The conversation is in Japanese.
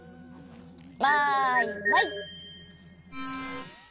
マイマイ！